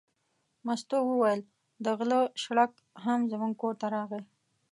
مستو ورته وویل: د غله شړک هم زموږ کور ته راغی.